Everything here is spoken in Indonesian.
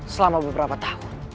selama beberapa tahun